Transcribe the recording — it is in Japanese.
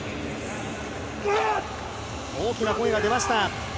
大きな声が出ました。